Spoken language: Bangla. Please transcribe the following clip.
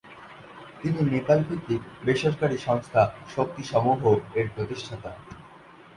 তিনি নেপাল ভিত্তিক বেসরকারি সংস্থা "শক্তি সমুহ"-এর প্রতিষ্ঠাতা।